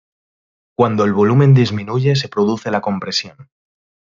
Cuando el volumen disminuye se produce la compresión.